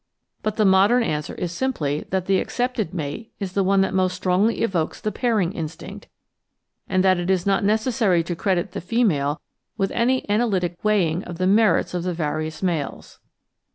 But the modem answer is simply that the accepted mate is the one 888 The Outline of Science that most strongly evokes the pairing instinct, and that it is not necessary to credit the female with any analytic weighing of the merits of the various males.